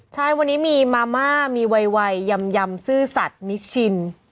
ใช่วันนี้มีมาม่ามีวัยยำซื่อสัตว์นิชิน